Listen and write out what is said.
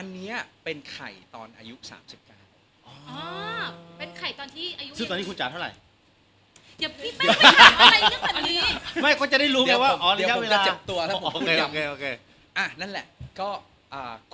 เราก็ทำเองเป็นนิต